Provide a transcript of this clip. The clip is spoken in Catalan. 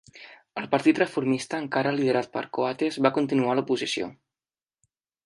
El partit reformista, encara liderat per Coates, va continuar a l'oposició.